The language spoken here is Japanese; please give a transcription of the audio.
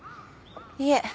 いえ。